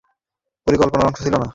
এটা পরিকল্পনার অংশ ছিল না।